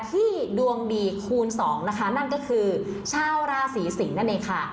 ดวงดีคูณสองนะคะนั่นก็คือชาวราศีสิงศ์นั่นเองค่ะ